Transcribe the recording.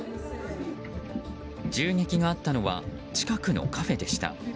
銃撃があったのは近くのカフェでした。